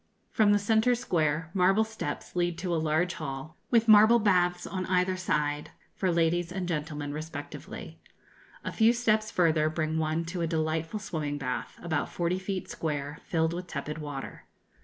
From the centre square, marble steps lead to a large hall, with marble baths on either side, for ladies and gentlemen respectively. A few steps further bring one to a delightful swimming bath, about forty feet square, filled with tepid water.